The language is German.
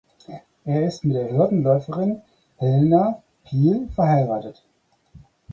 Er ist mit der Hürdenläuferin Helena Pihl verheiratet.